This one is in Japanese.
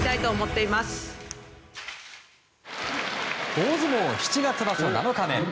大相撲七月場所７日目。